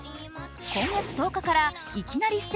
今月１０日から、いきなり！